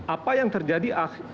apa yang terjadi